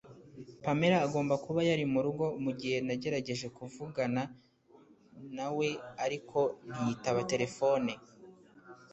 Pamela agomba kuba yari murugo mugihe nagerageje kuvugana nawe ariko ntiyitaba telefone